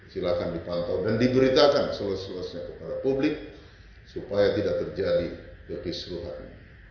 silakan dipantau dan diberitakan selesai kepada publik supaya tidak terjadi kebiasaan